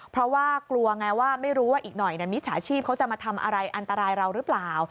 เพราะว่ากลัวไงว่าไม่รู้ว่าอีกหน่อยมิจฉาชีพเขาจะมาทำอะไรอันตรายเราหรือเปล่า